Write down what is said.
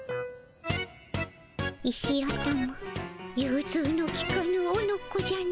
石頭ゆうずうのきかぬおのこじゃの。